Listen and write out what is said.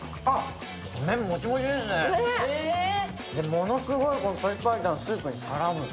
ものすごいトリ白湯スープに絡む。